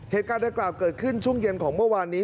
เหตุการณ์ดังกล่าวเกิดขึ้นช่วงเย็นของเมื่อวานนี้